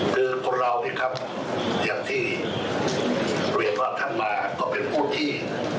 คือคนเราเนี่ยครับอย่างที่เรียนว่าท่านมาก็เป็นผู้ที่